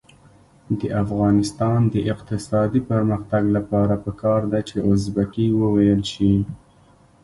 د افغانستان د اقتصادي پرمختګ لپاره پکار ده چې ازبکي وویل شي.